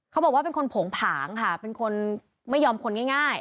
เขาบอกว่าเป็นคนโผงผางค่ะเป็นคนไม่ยอมคนง่าย